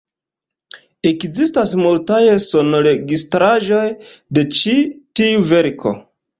Ekzistas multaj sonregistraĵoj de ĉi tiu verko.